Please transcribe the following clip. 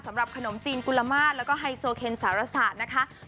สำหรับขนมจีนกุลมาภและไฮโซเครนสาราศาจ